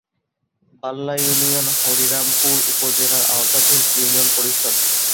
Balla union Harirampur উপজেলার আওতাধীন union পরিষদ।